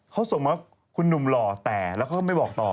เขาส่งมาคุณหนุ่มหล่อแต่แล้วเขาก็ไม่บอกต่อ